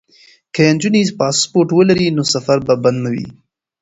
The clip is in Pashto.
که نجونې پاسپورټ ولري نو سفر به بند نه وي.